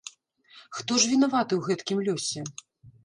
Хто ж вінаваты ў гэткім лёсе?